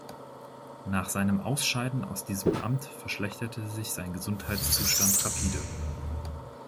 Nach seinem Ausscheiden aus diesem Amt verschlechterte sich sein Gesundheitszustand rapide.